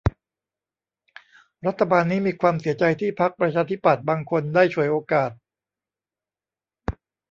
รัฐบาลนี้มีความเสียใจที่พรรคประชาธิปัตย์บางคนได้ฉวยโอกาส